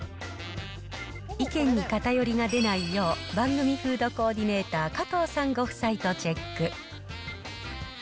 意見に偏りが出ないよう、番組フードコーディネーター、加藤さんご夫妻とチェック。